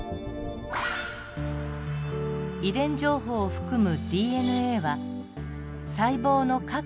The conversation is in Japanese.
遺伝情報を含むＤＮＡは細胞の核にあります。